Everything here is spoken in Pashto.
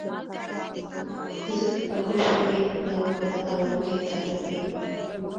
ځکه که خوشې وي، دا وګوره دا وړوکی طالب یې.